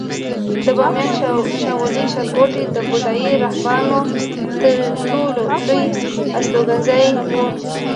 د بامیانو شاولې ښارګوټی د بودایي راهبانو تر ټولو لوی استوګنځای و